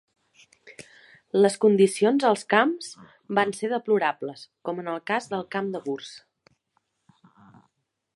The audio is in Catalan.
Les condicions als camps van ser deplorables, com en el cas del Camp de Gurs.